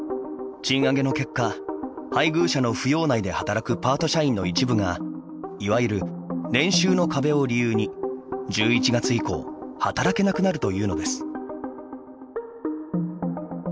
賃上げの結果配偶者の扶養内で働くパート社員の一部がいわゆる「年収の壁」を理由に１１月以降働けなくなるというのです。